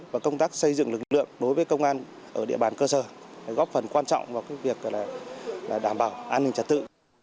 và công tác xây dựng lực lượng đối với công an ở địa bàn cơ sở góp phần quan trọng vào việc đảm bảo an ninh trật tự